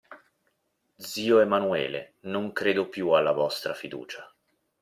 Zio Emanuele, non credo più alla vostra fiducia.